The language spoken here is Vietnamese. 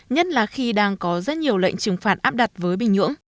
nhất là khi đang có rất nhiều lệnh trừng phạt áp đặt với bình nhưỡng